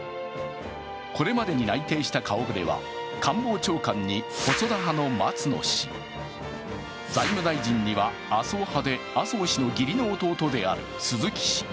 これまでに内定した顔ぶれは官房長官に細田派の松野氏、財務大臣には麻生派で麻生氏の義理の弟である鈴木氏。